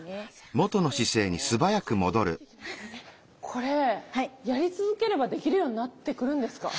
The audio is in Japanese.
これやり続ければできるようになってくるんですか？